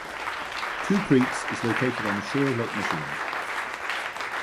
Two Creeks is located on the shore of Lake Michigan.